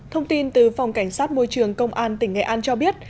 thông tin từ phòng cảnh sát môi trường công an tỉnh nghệ an cho biết